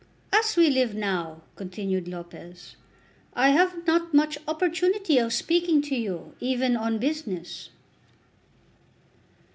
"As we live now," continued Lopez, "I have not much opportunity of speaking to you, even on business."